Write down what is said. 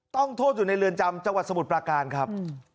ต้องโทษอยู่ในเรือนจำจังหวัดสมุทรปราการครับ